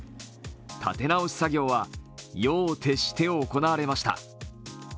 立て直し作業は夜を徹して行われました。